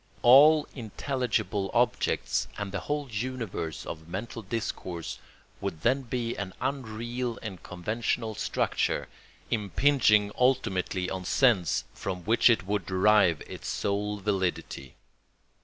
All intelligible objects and the whole universe of mental discourse would then be an unreal and conventional structure, impinging ultimately on sense from which it would derive its sole validity.